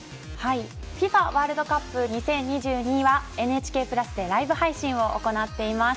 ワールドカップ２０２２は「ＮＨＫプラス」でライブ配信を行っています。